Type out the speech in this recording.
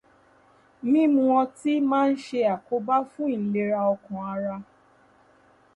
Mímu ọtí máa ń ṣe àkóbá fún ìlera ọkàn ara